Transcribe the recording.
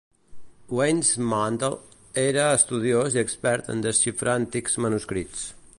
Weissmandl era estudiós i expert en desxifrar antics manuscrits.